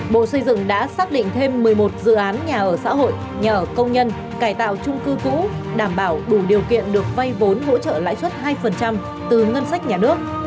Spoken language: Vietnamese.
bộ xây dựng đã xác định thêm một mươi một dự án nhà ở xã hội nhà ở công nhân cải tạo trung cư cũ đảm bảo đủ điều kiện được vay vốn hỗ trợ lãi suất hai từ ngân sách nhà nước